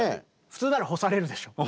普通なら干されるでしょ。